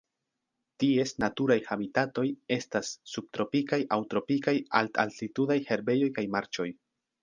Ties naturaj habitatoj estas subtropikaj aŭ tropikaj alt-altitudaj herbejoj kaj marĉoj.